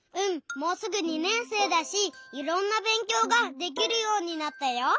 もうすぐ２年生だしいろんなべんきょうができるようになったよ！